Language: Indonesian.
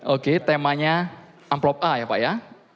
oke temanya amplop a ya pak ya